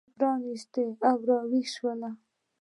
مسلمانانو سترګې پرانیستې راویښ شول